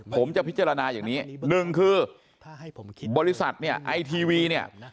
ผมจะพิจารณาอย่างนี้หนึ่งคือบริษัทไอทีวี